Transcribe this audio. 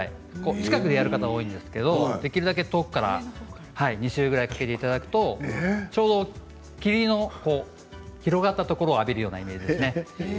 近くでやる方が多いんですけれども、できるだけ遠くから２周くらいかけていただくと霧の広がったところを浴びるような感じですね。